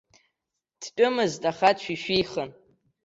Дтәымызт, аха дшәишәихын.